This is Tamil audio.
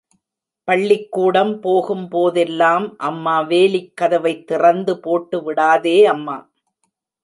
பள்ளிக்கூடம் போகும் போதெல்லாம், அம்மா, வேலிக் கதவைத் திறந்து போட்டுவிடாதே அம்மா.